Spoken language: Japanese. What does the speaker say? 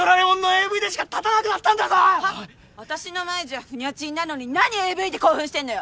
私の前じゃフニャチンなのに何ＡＶで興奮してんのよ！